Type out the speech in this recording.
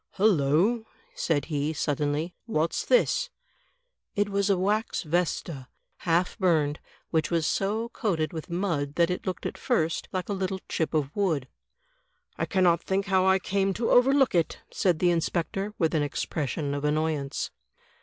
"Hullo!" said he, suddenly. '* What's this? '' It was a wax vesta half burned, which was so coated with mud that it looked at first like a little chip of wood. I cannot think how I came to overlook it," said the Inspector, with an expression of annoyance.